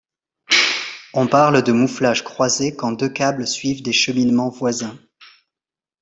On parle de mouflage croisé quand deux câbles suivent des cheminements voisins.